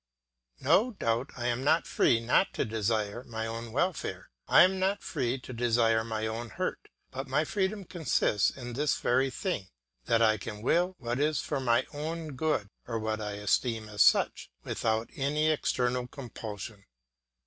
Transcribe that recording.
No doubt I am not free not to desire my own welfare, I am not free to desire my own hurt; but my freedom consists in this very thing, that I can will what is for my own good, or what I esteem as such, without any external compulsion.